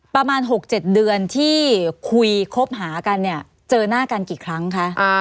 ประมาณ๖๗เดือนที่คุยคบหากันเนี่ยเจอหน้ากันกี่ครั้งคะ